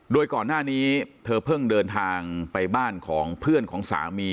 โดยก่อนหน้านี้เธอเพิ่งเดินทางไปบ้านของเพื่อนของสามี